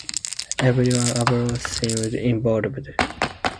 Everyone abroad seemed involved.